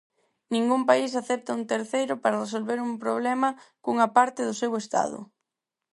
Ningún país acepta un terceiro para resolver un problema cunha parte do seu Estado.